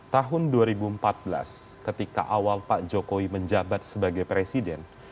tahun dua ribu empat belas ketika awal pak jokowi menjabat sebagai presiden